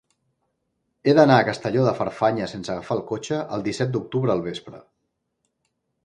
He d'anar a Castelló de Farfanya sense agafar el cotxe el disset d'octubre al vespre.